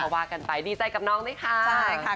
ว่ากันไปดีใจกับน้องด้วยค่ะใช่ค่ะ